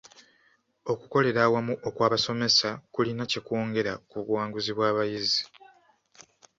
Okukolera awamu okw'abasomesa kulina kye kwongera ku buwanguzi bw'abayizi.